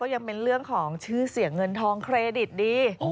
ยังเป็นเรื่องของชื่อเสียงเงินทองเครดิตดี